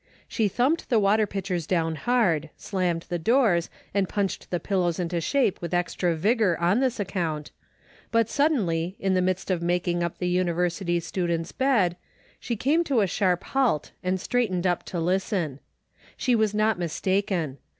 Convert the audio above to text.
She thumped the water pitchers down hard, slammed the doors, and punched the pillows into shape with extra vigor on this account, but, suddenly, in the midst of making up the University student's bed, she came to a sharp halt and straightened up to listen. She was not mistaken.